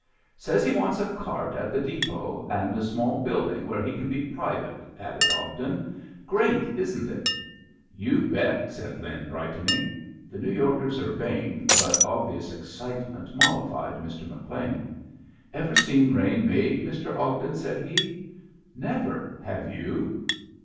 "Says he wants a cart at the depot, and a small building where he can be private," added Ogden. "Great, isn't it?" "You bet!" said Lin, brightening. The New Yorker's urbane but obvious excitement mollified Mr. McLean. "Ever seen rain made, Mr. Ogden?" said he. "Never. Have you?"